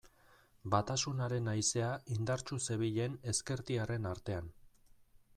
Batasunaren haizea indartsu zebilen ezkertiarren artean.